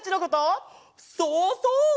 そうそう！